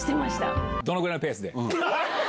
どのぐらいのペースで？